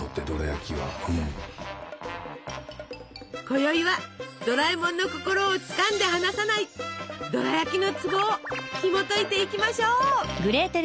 こよいはドラえもんの心をつかんで離さないドラやきのツボをひもといていきましょう！